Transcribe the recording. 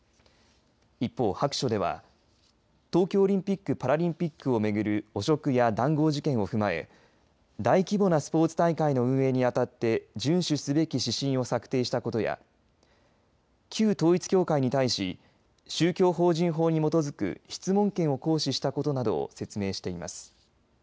一方、白書では東京オリンピックパラリンピックを巡る汚職や談合事件を踏まえ大規模なスポーツ大会の運営に当たって順守すべき指針を策定したことや旧統一教会に対し宗教法人法に基づく質問権を行使したことなどを説明しています。